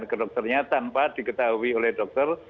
ke dokternya tanpa diketahui oleh dokter